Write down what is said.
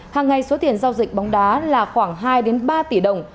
hàng ngày số tiền giao dịch bóng đá là khoảng hai ba tỷ đồng